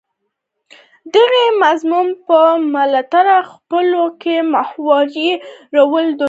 دغې موضوع په ملاتړ خپلولو کې محوري رول درلود